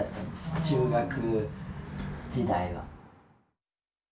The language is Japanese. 中学時代は。